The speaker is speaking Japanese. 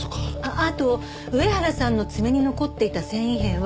あと上原さんの爪に残っていた繊維片はウール生地だった。